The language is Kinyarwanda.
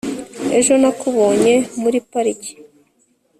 ejo nakubonye muri parike